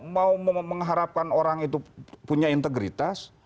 mau mengharapkan orang itu punya integritas